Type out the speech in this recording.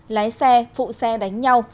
lái xe phụ xe đánh nhau